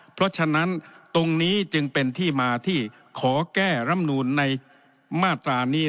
เพราะฉะนั้นตรงนี้จึงเป็นที่มาที่ขอแก้รำนูนในมาตรานี้